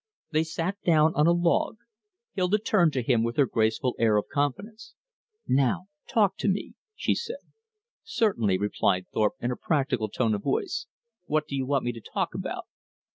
They sat down on a log. Hilda turned to him with her graceful air of confidence. "Now talk to me," said she. "Certainly," replied Thorpe in a practical tone of voice, "what do you want me to talk about?"